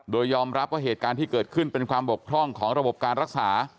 โดยยอมรับว่าเหตุการณ์ที่เกิดขึ้นเป็นความบกพร่องของระบบการรักษา